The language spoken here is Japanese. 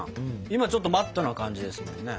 今ちょっとマットな感じですもんね。